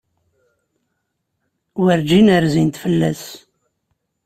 Werǧin rzint fell-as.